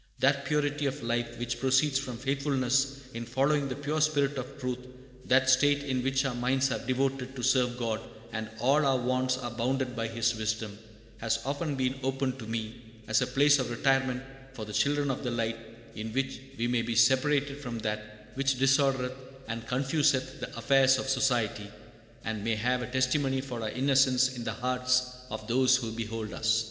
That purity of life which proceeds from faithfulness in following the pure spirit of truth, that state in which our minds are devoted to serve God and all our wants are bounded by His wisdom, has often been opened to me as a place of retirement for the children of the light, in which we may be separated from that which disordereth and confuseth the affairs of society, and may have a testimony for our innocence in the hearts of those who behold us."